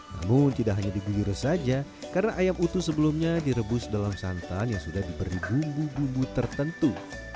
namun tidak hanya diguyur saja karena ayam utuh sebelumnya direbus dalam santan yang sudah diberi bumbu bumbu tertentu